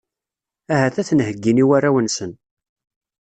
Ahat ad ten-heyyin i warraw-nsen.